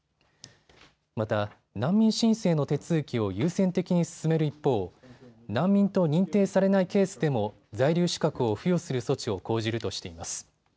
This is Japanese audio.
また、難民申請の手続きを優先的に進める一方、難民と認定されないケースでも在留資格を付与する措置を講じるとしています。